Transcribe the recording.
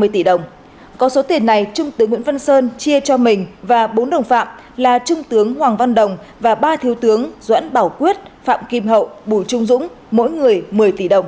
một mươi tỷ đồng có số tiền này trung tướng nguyễn văn sơn chia cho mình và bốn đồng phạm là trung tướng hoàng văn đồng và ba thiếu tướng doãn bảo quyết phạm kim hậu bùi trung dũng mỗi người một mươi tỷ đồng